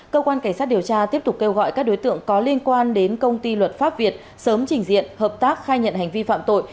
cơ quan cảnh sát điều tra tiếp tục kêu gọi các đối tượng có liên quan đến công ty luật pháp việt sớm trình diện hợp tác khai nhận hành vi phạm tội